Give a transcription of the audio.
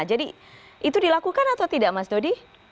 jadi itu dilakukan atau tidak mas dodi